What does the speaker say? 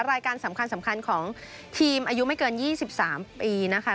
รายการสำคัญของทีมอายุไม่เกิน๒๓ปีนะคะ